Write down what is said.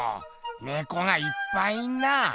猫がいっぱいいんなぁ。